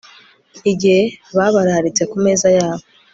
Igihe babararitse ku meza yabo